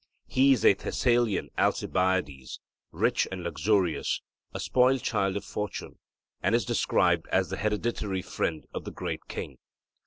He is a Thessalian Alcibiades, rich and luxurious a spoilt child of fortune, and is described as the hereditary friend of the great king.